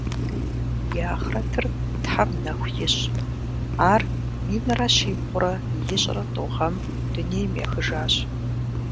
И ахърэтыр Тхьэм нэху ищӏ, ар минрэ щибгъурэ ищӏрэ тӏу гъэм дунейм ехыжащ.